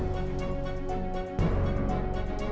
tidak ada apa apa